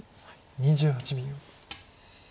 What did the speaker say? ２８秒。